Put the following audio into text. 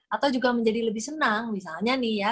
atau juga menjadi lebih senang misalnya nih ya